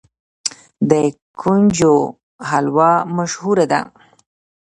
د کنجدو حلوه مشهوره ده.